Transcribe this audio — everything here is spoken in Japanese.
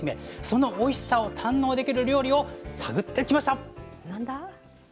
そのおいしさを堪能できる料理を探ってきました。